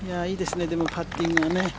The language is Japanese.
いいですね、パッティングがね。